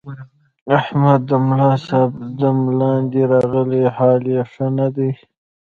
احمد د ملاصاحب دم لاندې راغلی، حال یې ښه نه دی.